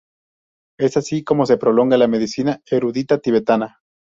Es así como se prolonga la medicina erudita tibetana.